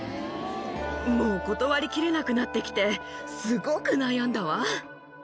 もう断りきれなくなってきて、すごく悩んだわ。